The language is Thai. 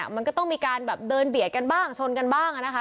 มันก็ต้องมีการแบบเดินเบียดกันบ้างชนกันบ้างนะคะ